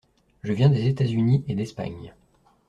Je viens des États-Unis et d’Espagne.